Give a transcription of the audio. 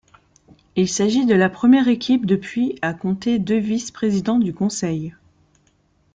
Il s'agit de la première équipe depuis à compter deux vice-présidents du Conseil.